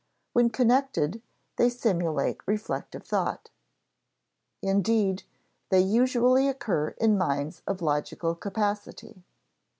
When connected, they simulate reflective thought; indeed, they usually occur in minds of logical capacity.